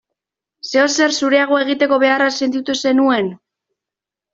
Zeozer zureagoa egiteko beharra sentitu zenuen?